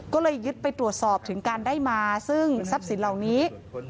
ก็เลยยึดไปตรวจสอบถึงการได้มาซึ่งทรัพย์สินเหล่านี้